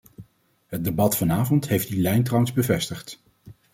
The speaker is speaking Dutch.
Het debat vanavond heeft die lijn trouwens bevestigd.